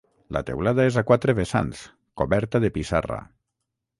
La teulada és a quatre vessants, coberta de pissarra.